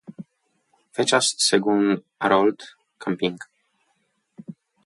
Fechas según Harold Camping.